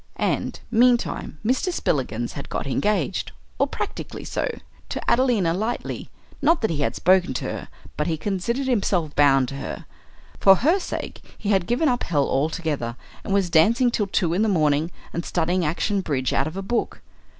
And, meantime, Mr. Spillikins had got engaged, or practically so, to Adelina Lightleigh; not that he had spoken to her, but he considered himself bound to her. For her sake he had given up hell altogether, and was dancing till two in the morning and studying action bridge out of a book.